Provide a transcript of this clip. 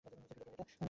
ফিরিয়ে দে এটা!